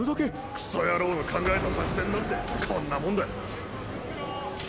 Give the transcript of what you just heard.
クソ野郎の考えた作戦なんてこんなもんだ。